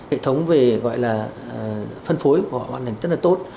hệ thống về gọi là phân phối của họ hoàn thành rất là tốt